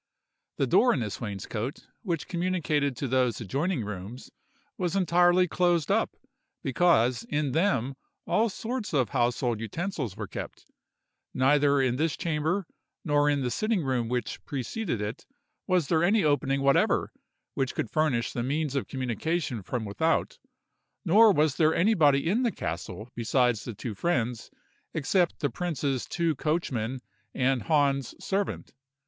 The door in this wainscot, which communicated to those adjoining rooms, was entirely closed up, because in them all sorts of household utensils were kept. Neither in this chamber, nor in the sitting room which preceded it, was there any opening whatever which could furnish the means of communication from without; nor was there anybody in the castle besides the two friends, except the prince's two coachmen and Hahn's servant.